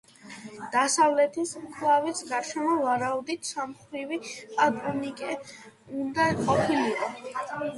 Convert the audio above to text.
დასავლეთის მკლავის გარშემო, ვარაუდით, სამმხრივი პატრონიკე უნდა ყოფილიყო.